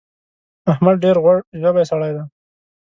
احمد ډېر غوړ ژبی سړی دی.